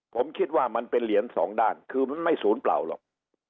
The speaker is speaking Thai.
ผมคิดว่ามันเป็นเหรียญสองด้านคือมันไม่ศูนย์เปล่าหรอก